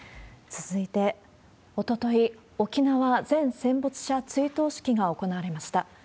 続いて、おととい、沖縄全戦没者追悼式が行われました。